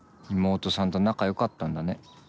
妹さんと仲良かったんだね。